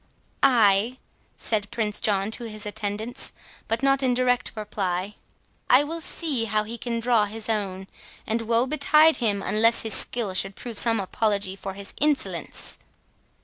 "I," said Prince John to his attendants, but not in direct reply,—"I will see how he can draw his own; and woe betide him unless his skill should prove some apology for his insolence!"